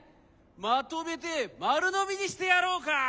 まとめてまるのみにしてやろうか！